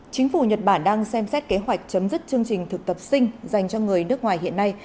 chính phủ nhật bản đang xem xét kế hoạch chấm dứt chương trình thực tập sinh dành cho người nước ngoài hiện nay